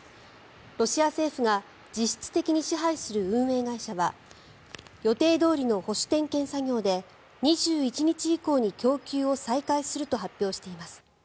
ロシア政府が実質的に支配する運営会社は予定どおりの保守点検作業で２１日以降に供給を再開すると発表しています。